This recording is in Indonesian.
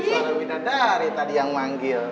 soalnya wina dari tadi yang manggil